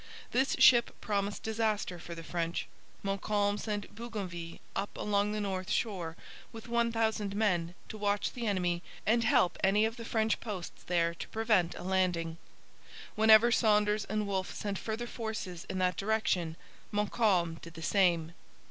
This step promised disaster for the French. Montcalm sent Bougainville up along the north shore with 1,000 men to watch the enemy and help any of the French posts there to prevent a landing. Whenever Saunders and Wolfe sent further forces in that direction Montcalm did the same.